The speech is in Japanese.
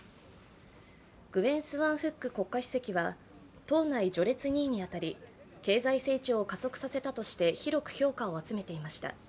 グエン・スアン・フック国家主席は党内序列２位に当たり経済成長を加速させたとして広く評価を集めていました。